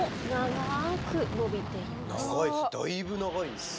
長いだいぶ長いですね。